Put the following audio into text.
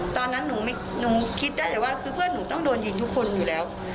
ตอนนั้นหนูคิดได้แต่ว่าคือเพื่อนหนูต้องโดนยิงทุกคนอยู่แล้ว